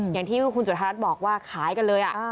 อย่างที่คุณจุธารัฐบอกว่าขายกันเลย